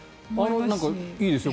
いいですよ